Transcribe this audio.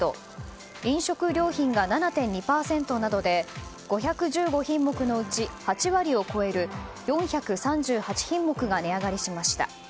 飲食料品が７．２％などで５１５品目中のうち８割を超える４３８品目が値上がりしました。